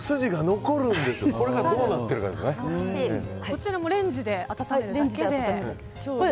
こちらもレンジで温めるだけで。